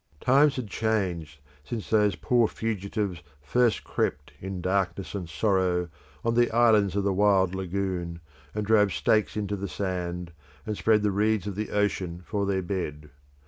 Times had changed since those poor fugitives first crept in darkness and sorrow on the islands of the wild lagoon, and drove stakes into the sand, and spread the reeds of the ocean for their bed.